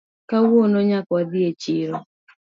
Kawuono nyaka wadhi e chiro